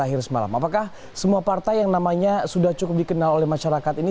apakah semua partai yang namanya sudah cukup dikenal oleh masyarakat ini